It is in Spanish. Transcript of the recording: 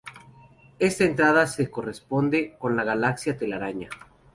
Esta entrada se corresponde con la galaxia Telaraña.